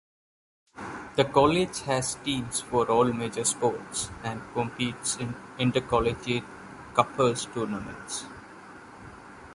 The college has teams for all major sports, and competes in inter-collegiate "cuppers" tournaments.